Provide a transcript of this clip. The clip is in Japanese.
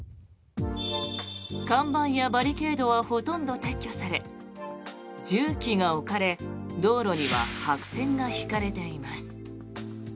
看板やバリケードはほとんど撤去され重機が置かれ道路には白線が引かれています。